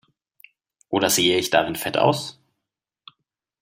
Oder sehe ich darin fett aus?